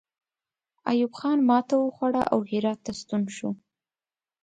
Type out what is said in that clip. ایوب خان ماته وخوړه او هرات ته ستون شو.